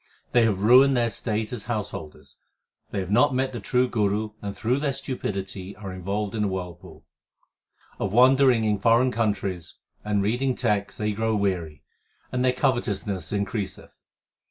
They have ruined their state as householders ; they have not met the True Guru, and through their stupidity are involved in a whirlpool. Of wandering in foreign countries and reading texts they grow weary, and their covetousness increaseth.